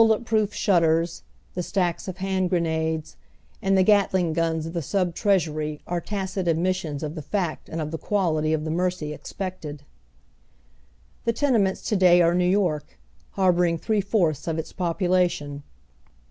Tlie biiHet proof abutters, tlie stacks of iiand grenades, and tlie Oatling guns o£ the Sub Treasury are tacit admis sions of tbe fact and of tbe quality of the mercy expected. Tlie teueineuts to day are Xew York, harboring three fourths of its population.